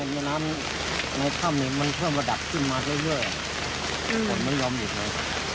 ในน้ำในถ้ำเนี่ยมันเพิ่มระดับขึ้นมาเรื่อยฝนไม่ยอมหยุดเลย